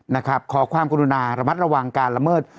นะครับขอความกรุณาระมัดระวังการละเมิด